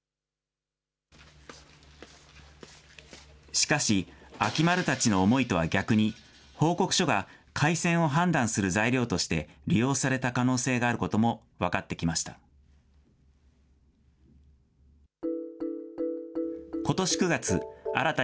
しかし、秋丸たちの思いとは逆に、報告書が開戦を判断する材料として利用された可能性があることも分かってきました。